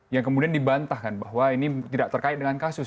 yang kemudian dibantahkan bahwa ini tidak terkait dengan kasus